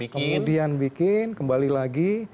kemudian bikin kembali lagi